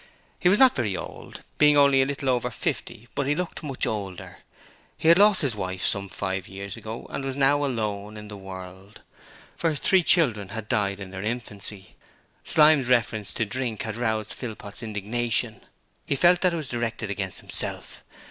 He was not very old, being only a little over fifty, but he looked much older. He had lost his wife some five years ago and was now alone in the world, for his three children had died in their infancy. Slyme's reference to drink had roused Philpot's indignation; he felt that it was directed against himself.